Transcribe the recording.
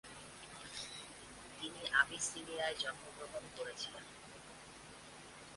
তিনি আবিসিনিয়ায় জন্মগ্রহণ করেছিলেন।